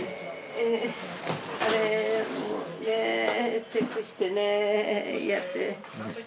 えもうチェックしてねやって。